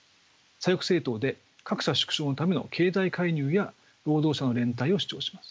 左翼政党で格差縮小のための経済介入や労働者の連帯を主張します。